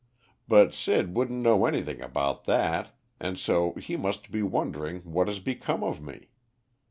But Sid wouldn't know anything about that, and so he must be wondering what has become of me.